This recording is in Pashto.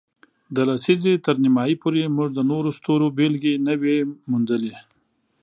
د لسیزې تر نیمایي پورې، موږ د نورو ستورو بېلګې نه وې موندلې.